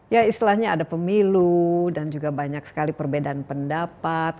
ya istilahnya ada pemilu dan juga banyak sekali perbedaan pendapat